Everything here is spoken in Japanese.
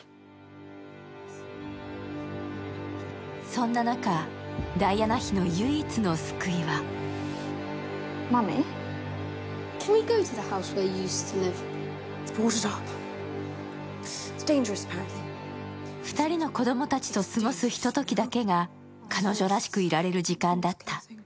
そんな中、ダイアナ妃の唯一の救いは２人の子供たちと過ごすひとときだけが彼女らしくいられる時間だった。